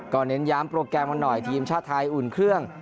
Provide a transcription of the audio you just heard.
เน้นย้ำโปรแกรมกันหน่อยทีมชาติไทยอุ่นเครื่อง